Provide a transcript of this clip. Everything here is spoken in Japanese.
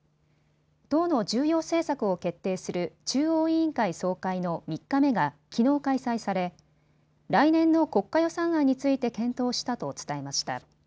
党の重要政策を決定する中央委員会総会の３日目がきのう開催され来年の国家予算案について検討したと伝えました。